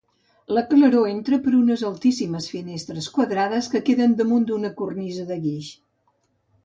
La claror entra per unes altíssimes finestres quadrades que queden damunt d'una cornisa de guix.